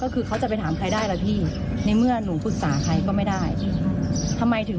ใครจะดูแลแม่เขาที่เป็นผู้ป่วยติดเตียง